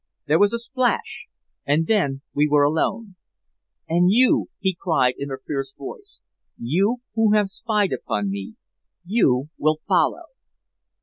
There was a splash, and then we were alone. 'And you!' he cried in a fierce voice 'you who have spied upon me you will follow!